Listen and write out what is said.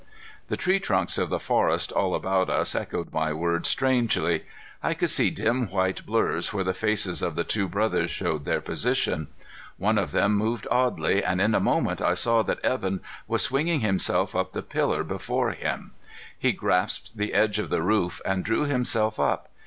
The tree trunks of the forest all about us echoed my words strangely. I could see dim white blurs where the faces of the two brothers showed their position. One of them moved oddly, and in a moment I saw that Evan was swinging himself up the pillar before him. He grasped the edge of the roof and drew himself up.